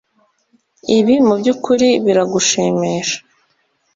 ibi mubyukuri biragushimisha